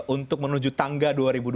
untuk menuju tangga dua ribu dua puluh